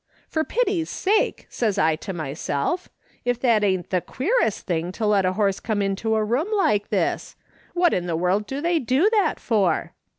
' For pity's sake,' says I to myself, ' if that ain't the queerest thing to let a horse come into a room like this ! What in the world do they do that for